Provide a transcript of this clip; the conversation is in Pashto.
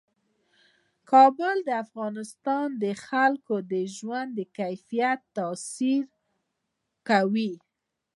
کابل د افغانستان د خلکو د ژوند کیفیت تاثیر کوي.